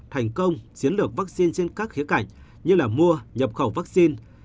thành công chiến lược vaccine trên các khía cảnh như mua nhập khẩu vaccine